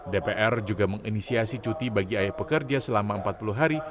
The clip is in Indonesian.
dpr juga menginisiasi cuti bagi ayah pekerja selama empat puluh hari